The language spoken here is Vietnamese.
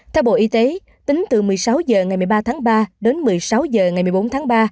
theo bộ y tế tính từ một mươi sáu h ngày một mươi ba tháng ba đến một mươi sáu h ngày một mươi bốn tháng ba